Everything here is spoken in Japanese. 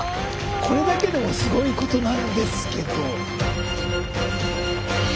これだけでもすごいことなんですけど。